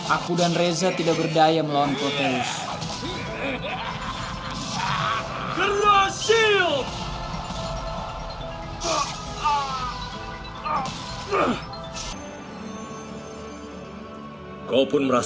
aku dan reza tidak berdaya melawan potensi